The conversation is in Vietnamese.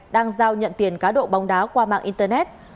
đang giao nhận tiền cá độ bóng đá qua mạng internet